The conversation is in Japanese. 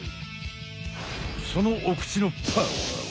そのお口のパワーは？